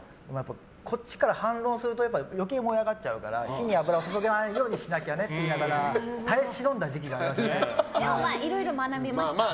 こっちから反論すると余計燃え上がっちゃうから火に油を注がないようにしなきゃねって言いながらでもいろいろ学びました。